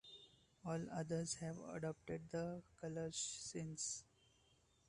All others have adopted the colours since.